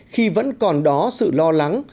khi vẫn còn đó sự lo lắng